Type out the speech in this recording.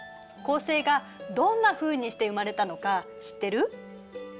恒星がどんなふうにして生まれたのか知ってる？